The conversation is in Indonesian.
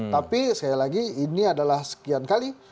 tapi sekali lagi ini adalah sekian kali